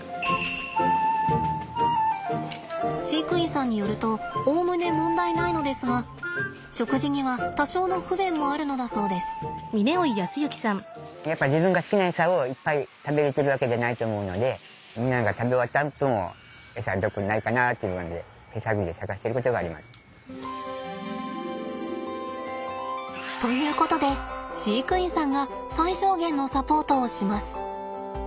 飼育員さんによるとおおむね問題ないのですが食事には多少の不便もあるのだそうです。ということで飼育員さんが最小限のサポートをします。